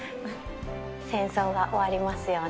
戦争が終わりますように。